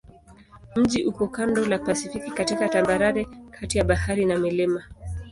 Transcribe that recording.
Mji uko kando la Pasifiki katika tambarare kati ya bahari na milima.